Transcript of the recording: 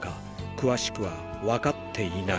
詳しくは分かっていない。